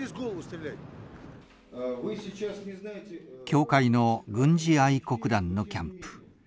教会の軍事愛国団のキャンプ。